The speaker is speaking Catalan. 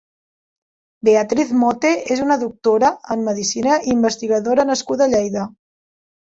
Beatriz Mothe és una doctora en Medicina i investigadora nascuda a Lleida.